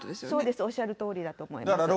そうです、おっしゃるとおりだと思います。